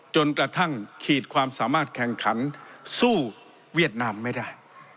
จนกระทั่งขีดความสามารถแข่งขันสู้เวียดนามไม่ได้